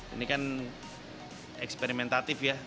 ini kan eksperimentatif ya